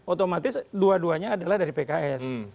otomatis dua duanya adalah dari pks